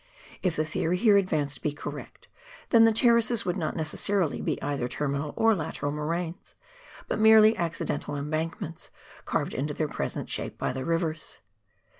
If the theory here advanced be correct, then the terraces would not necessarily be either terminal or lateral moraines but merely accidental embankments, carved into their present shape by the rivers.